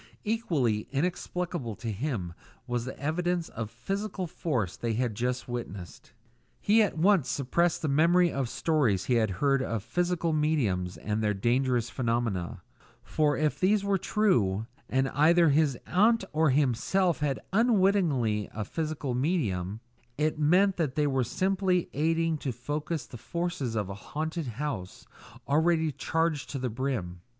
Equally inexplicable to him was the evidence of physical force they had just witnessed. He at once suppressed the memory of stories he had heard of "physical mediums" and their dangerous phenomena; for if these were true, and either his aunt or himself was unwittingly a physical medium, it meant that they were simply aiding to focus the forces of a haunted house already charged to the brim.